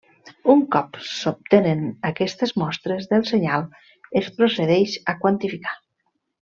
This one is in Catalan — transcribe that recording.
Un cop s'obtenen aquestes mostres del senyal, es procedeix a quantificar.